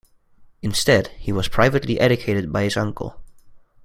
Instead he was privately educated by his uncle.